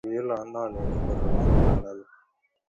তিনি তার বামহাতের তর্জনী কেটে যায়।